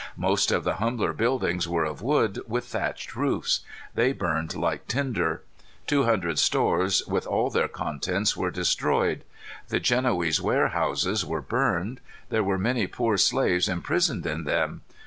Most of the humbler buildings were of wood, with thatched roofs. They burned like tinder. Two hundred stores, with all their contents, were destroyed. The Genoese Warehouses were burned. There were many poor slaves imprisoned in them.